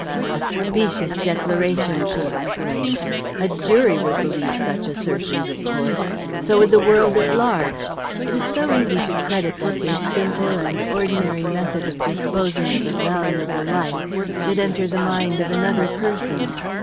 "A specious declaration!" she exclaimed. "A jury would believe such assertions, of course; so would the world at large, It is so easy to credit that this simple and ordinary method of disposing of a valuable life should enter the mind of another person!"